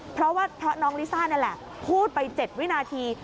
เพราะว่าเพราะน้องลิซ่านี่แหละพูดไป๗วินาที